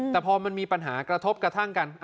แต่พอมันมีปัญหากระทบกระทั่งกัน